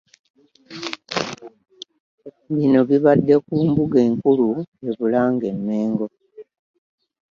Bino bibadde ku mbuga enkulu e Bulange e Mmengo.